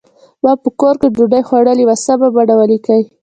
ما په کور کې ډوډۍ خوړلې وه سمه بڼه ولیکئ.